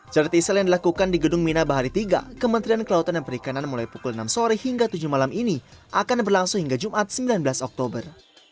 charity sale yang dilakukan di gedung mina bahari tiga kementerian kelautan dan perikanan mulai pukul enam sore hingga tujuh malam ini akan berlangsung hingga jumat sembilan belas oktober